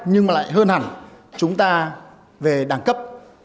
nhưng mà lại hơn hẳn chúng ta về đẳng cấp